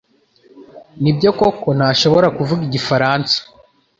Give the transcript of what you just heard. Nibyo koko ntashobora kuvuga igifaransa